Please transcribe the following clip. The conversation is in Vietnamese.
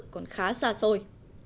còn khá xa xôi